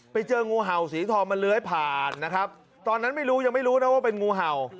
ไปเจองูเห่าสีทองมันเลื้อยผ่านนะครับตอนนั้นไม่รู้ยังไม่รู้นะว่าเป็นงูเห่า